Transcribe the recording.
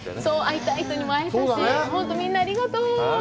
会いたい人も会えたし、本当にみんな、ありがとう！